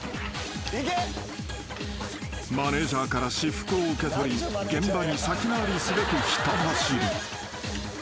［マネジャーから私服を受け取り現場に先回りすべくひた走る］